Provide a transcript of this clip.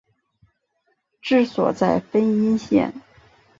治所在汾阴县。